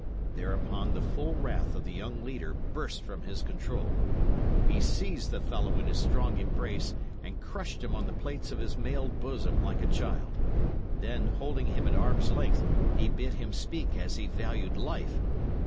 Thereupon the full wrath of the young leader burst from his control. He seized the fellow in his strong embrace, and crushed him on the plates of his mailed bosom like a child; then, holding him at arm's length, he bid him speak as he valued life.